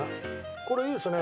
これいいですね。